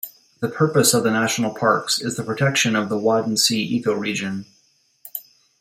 The purpose of the national parks is the protection of the Wadden Sea ecoregion.